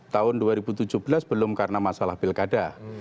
tahun dua ribu tujuh belas belum karena masalah pilkada